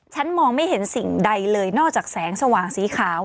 มองไม่เห็นสิ่งใดเลยนอกจากแสงสว่างสีขาว